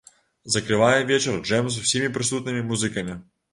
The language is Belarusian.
Закрывае вечар джэм з усімі прысутнымі музыкамі.